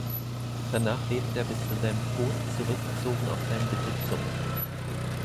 Danach lebte er bis zu seinem Tod zurückgezogen auf seinen Besitzungen.